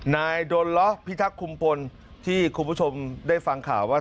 ดนล้อพิทักษุมพลที่คุณผู้ชมได้ฟังข่าวว่า